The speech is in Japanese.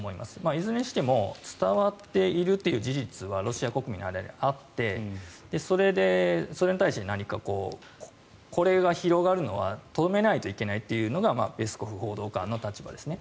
いずれにしても伝わっているという事実はロシア国民の間であってそれに対して何かこれが広がるのは止めないといけないというのがペスコフ報道官の立場ですね。